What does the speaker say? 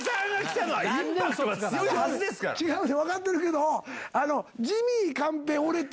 分かってるけど。